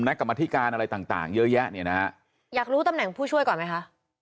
กรรมธิการอะไรต่างต่างเยอะแยะเนี่ยนะฮะอยากรู้ตำแหน่งผู้ช่วยก่อนไหมคะ